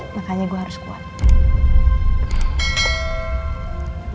makanya gue harus kuat